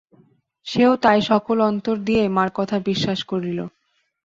সেও তাই সকল অন্তর দিয়েই মার কথা বিশ্বাস করল।